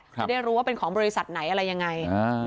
จะได้รู้ว่าเป็นของบริษัทไหนอะไรยังไง